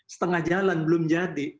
setengah jalan belum jadi